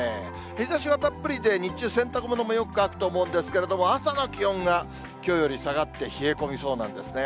日ざしがたっぷりで、日中洗濯物もよく乾くと思うんですけれども、朝の気温がきょうより下がって冷え込みそうなんですね。